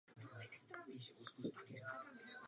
Výtrusný prach je rovněž rezavě hnědý.